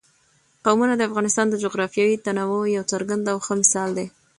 قومونه د افغانستان د جغرافیوي تنوع یو څرګند او ښه مثال دی.